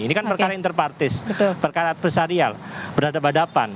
ini kan perkara interpartis perkara adversarial beradab adaban